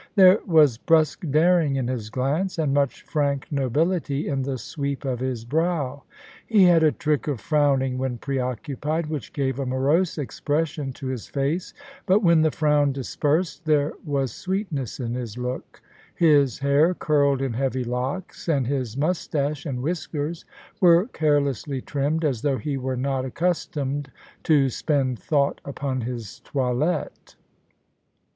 There was brusque daring in his glance, and much frank nobility in the sweep of his brow. He had a trick of frowning when pre occupied, which gave a morose expression to his face ; but when the frown dispersed there was sweetness in hb loot His hair curled in heavy locks, and his moustache and whiskers were carelessly trimmed, as though he were not accustomed to expend thought upon his toilette.